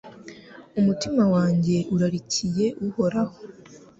Umutima wanjye urarikiye Uhoraho